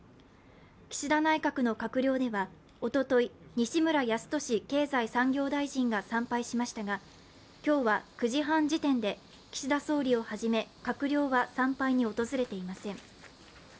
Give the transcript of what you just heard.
岸田内閣の閣僚ではおととい、西村康稔経済産業大臣が参拝しましたが今日は９時半時点で岸田総理をはじめ閣僚は参拝に訪れていません。